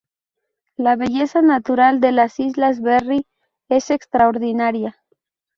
La belleza natural de las Islas Berry es extraordinaria.